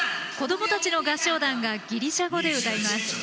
子どもたちの合唱団がギリシャ語で歌います。